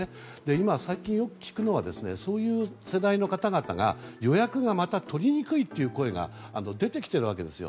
今、最近よく聞くのはそういう世代の方々が予約がまた取りにくいという声が出てきているわけですよ。